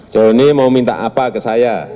johnny mau minta apa ke saya